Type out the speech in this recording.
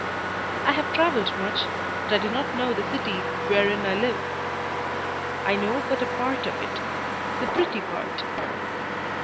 I have traveled much, but I do not know the city wherein I live. I know but a part of it, the pretty part.